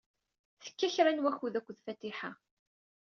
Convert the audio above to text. Tekka kra n wakud akked Fatiḥa.